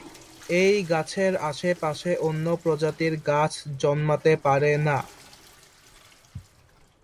এই গাছের আশপাশে অন্য প্রজাতির গাছ জন্মাতে পারে না।